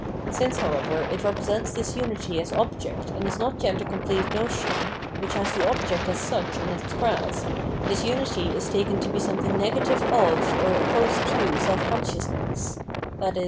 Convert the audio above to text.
Since, however, it represents this unity as object and is not yet the com plete notion, which has the object as such in its grasp, this unity is taken to be something negative of or opposed to self consciousness, i.e.